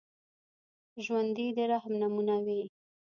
ژوندي د رحم نمونه وي